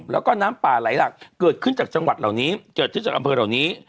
แล้วก็น้ำป่าไหลหลักเกิดขึ้นจากจังหวัดเหล่านี้เกิดขึ้นจากอำเภอเหล่านี้